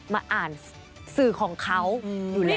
มาอ่านสื่อของเขาอยู่แล้ว